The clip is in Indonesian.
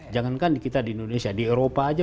jangankan kita di indonesia di eropa aja